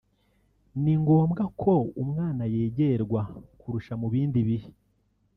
ni ngombwa ko umwana yegerwa kurusha mu bindi bihe